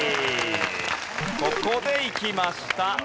ここでいきました。